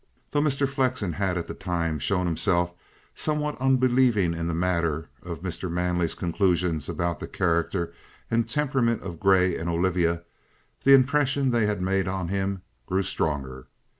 Though Mr. Flexen had at the time shown himself somewhat unbelieving in the matter of Mr. Manley's conclusions about the character and temperament of Grey and Olivia, the impression they had made on him grew stronger.